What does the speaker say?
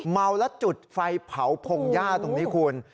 เมาแล้วจุดไฟเผาพงหญ้าตรงนี้คุณ